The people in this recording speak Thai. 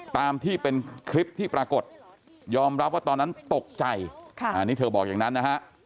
ตามที่เป็นคลิปที่ปรากฏยอมรับว่าตอนนั้นตกใจอันนี้เธอบอกอย่างนั้นนะฮะ